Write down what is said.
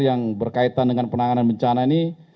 yang berkaitan dengan penanganan bencana ini